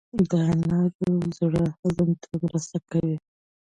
د انارو زړې هضم ته مرسته کوي.